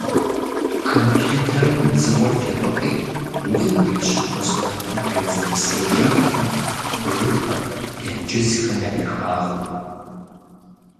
Компьютерым и «дзыгъуэр» тепӀытӀи, уигу ящыхуэ сурэтым къридзэ псыежэххэм, бгыхэм, тенджызхэм я дахагъым.